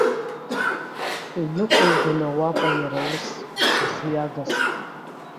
Иныҟәигон ауапа иара ус, ҽыхҩагас.